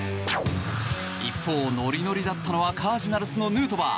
一方、ノリノリだったのはカージナルスのヌートバー。